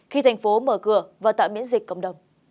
khi thành phố mở cửa và tạo miễn dịch cộng đồng